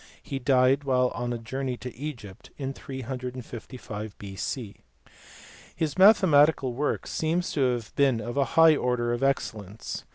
He died while on a journey to Egypt in 355 B.C. His mathematical work seems to have been of a high order of excellence.